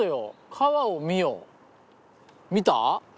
「川を見よ」見た？